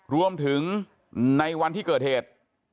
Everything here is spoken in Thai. รวมถึงในวันที่เกิดเหตุ